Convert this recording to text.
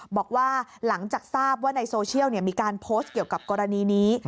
บอกว่าหลังจากทราบว่าในโซเชียลมีการโพสต์เกี่ยวกับกรณีนี้